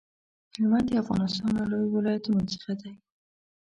هلمند د افغانستان له لويو ولايتونو څخه دی.